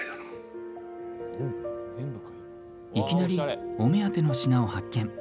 いきなり、お目当ての品を発見。